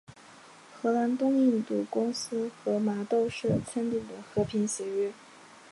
荷兰东印度公司和麻豆社签订的和平协约。